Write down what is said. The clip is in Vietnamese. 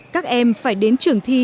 các em phải đến trường thi